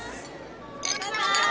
乾杯！